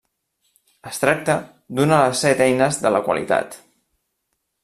Es tracta d'una de les Set Eines de la Qualitat.